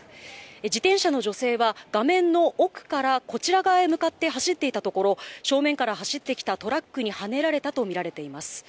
自転車の女性は、画面の奥からこちら側へ向かって走っていたところ、正面から走ってきたトラックにはねられたと見られています。